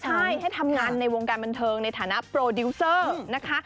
ใช่ให้ทำงานในวงการบันเทิงในฐานะโปรดิวเซอร์นะคะ